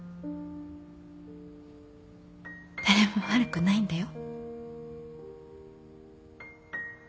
誰も悪くないんだよ。